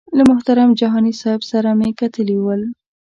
له محترم جهاني صاحب سره یې کتلي ول.